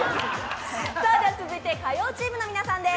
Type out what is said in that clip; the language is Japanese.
続いて、火曜チームの皆さんです。